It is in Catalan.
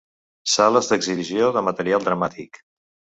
Sales d'exhibició de material dramàtic.